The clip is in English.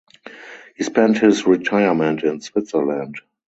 He spent his retirement in Switzerland.